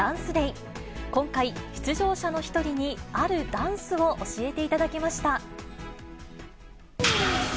今回、出場者の１人にあるダンスを教えていただきました。